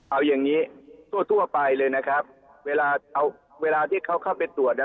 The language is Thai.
เอาอย่างนี้ทั่วไปเลยนะครับเวลาที่เขาเข้าไปตรวจนะ